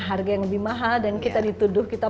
harga yang lebih mahal dan kita dituduh kita